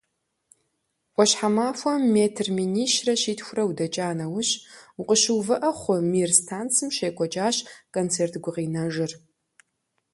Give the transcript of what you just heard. Ӏуащхьэмахуэ метр минищрэ щитхукӏэ удэкӀа нэужь, укъыщыувыӀэ хъу, «Мир» станцым щекӀуэкӀащ концерт гукъинэжыр.